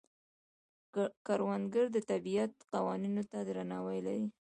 کروندګر د طبیعت قوانینو ته درناوی لري